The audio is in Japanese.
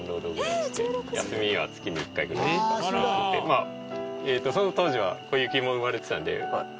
まあその当時はこゆきも生まれてたんで。